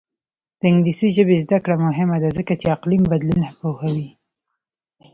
د انګلیسي ژبې زده کړه مهمه ده ځکه چې اقلیم بدلون پوهوي.